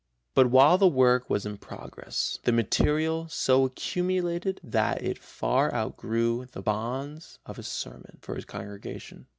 But while the work was in progress the material so accumulated that it far outgrew the bounds of a sermon for his congregation.